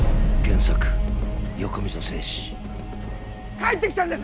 帰ってきたんです